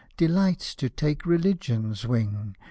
Delights to take Religion's wing.